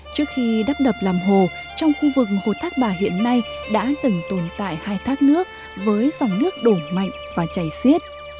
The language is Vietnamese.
trước khi đắp đập làm hồ trong khu vực hồ thác bà hiện nay đã từng tồn tại hai thác nước với dòng nước đổ mạnh và chảy xiết